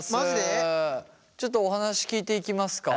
ちょっとお話聞いていきますか。